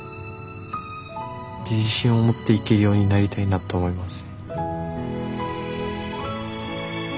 自信を持っていけるようになりたいなと思います。